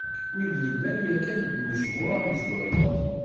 Wid yellan yakkan deg unejmuɛ amezwaru.